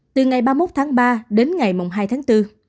từ ngày ba mươi một tháng ba đến ngày hai tháng bốn